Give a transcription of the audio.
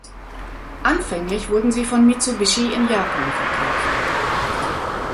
Anfänglich wurden sie von Mitsubishi in Japan verkauft.